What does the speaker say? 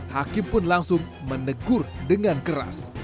hakim pun langsung menegur dengan keras